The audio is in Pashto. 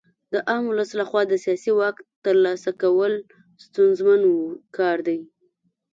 د عام ولس لخوا د سیاسي واک ترلاسه کول ستونزمن کار دی.